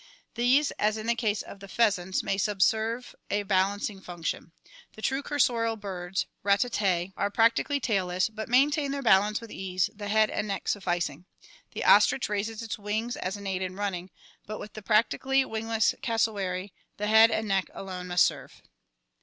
These as in the case of the pheasants may subserve a balancing function. The true cursorial birds, Ratitae, are practically tailless, but maintain their balance with ease, the head and neck sufficing. The ostrich raises its wings as an aid in running, but with the practically wingless cassowary the head and neck alone must serve.